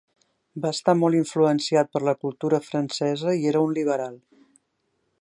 Va estar molt influenciat per la cultura francesa i era un liberal.